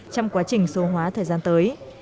trong quá trình số hóa thời gian tới